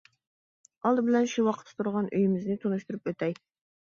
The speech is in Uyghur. ئالدى بىلەن شۇ ۋاقىتتا تۇرغان ئۆيىمىزنى تونۇشتۇرۇپ ئۆتەي.